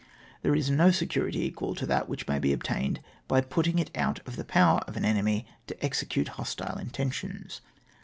There is no security ecjual to that which may be obtamed by putting it out of the power of an enemy to execute hostile intentions.